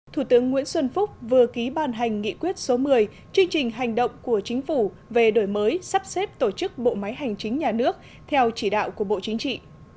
thủ tướng nguyễn xuân phúc vừa ký ban hành nghị quyết số một mươi chương trình hành động của chính phủ về đổi mới sắp xếp tổ chức bộ máy hành chính nhà nước theo chỉ đạo của bộ chính trị